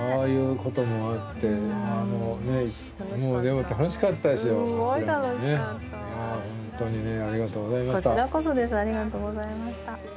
こちらこそですありがとうございました。